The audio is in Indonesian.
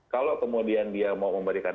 kalau kemudian dia mau memberikan